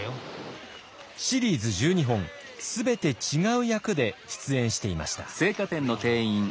シリーズ１２本全て違う役で出演していました。